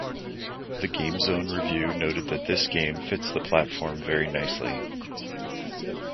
The GameZone review noted that This game fits the platform very nicely.